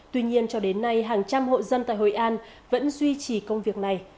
tuy nhiên cho đến nay hàng trăm hộ dân tại hội an vẫn duy trì công việc này